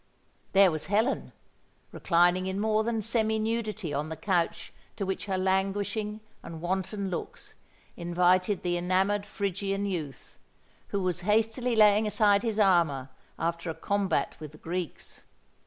There was Helen, reclining in more than semi nudity on the couch to which her languishing and wanton looks invited the enamoured Phrygian youth, who was hastily laying aside his armour after a combat with the Greeks.